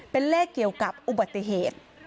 เป็นเลขเกี่ยวกับอุบัติเหตุ